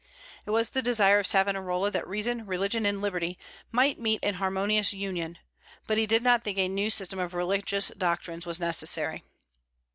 "It was the desire of Savonarola that reason, religion, and liberty might meet in harmonious union, but he did not think a new system of religious doctrines was necessary."